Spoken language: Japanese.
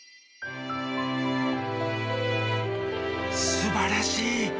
すばらしい。